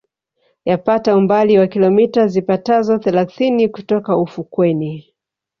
Yapata umbali wa kilomita zipatazo thelathini kutoka ufukweni